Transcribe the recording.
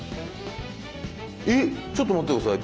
えちょっと待ってください。